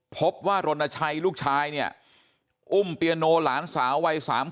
พบว่ารณชัยลูกชายเนี่ยอุ้มเปียโนหลานสาววัย๓๐